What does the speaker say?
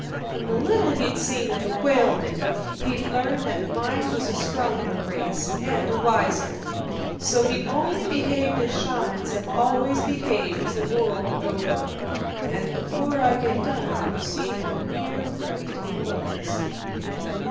From the little he'd seen of the whalemen, he'd learned that mine was a stronger race, and a wiser; so he'd only behaved as shamans have always behaved the world over. And before I get done, you'll see how near right he was.